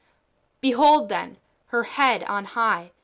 Behold, then, her head on high.